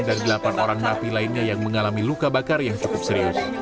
dan delapan orang napi lainnya yang mengalami luka bakar yang cukup serius